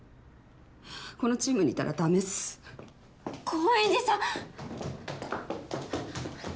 このチームにいたらダメっす高円寺さん